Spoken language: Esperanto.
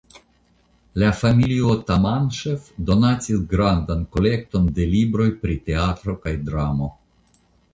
La familio Tamanŝev donacis grandan kolekton de libroj pri teatro kaj dramo.